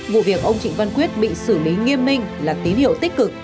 vụ việc ông trịnh văn quyết bị xử lý nghiêm minh là tín hiệu tích cực